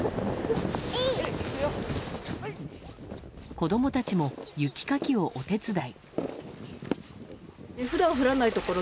子供たちも雪かきをお手伝い。